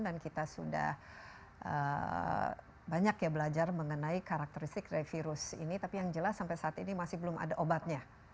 dan kita sudah banyak ya belajar mengenai karakteristik dari virus ini tapi yang jelas sampai saat ini masih belum ada obatnya